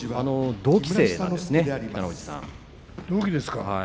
同期ですか。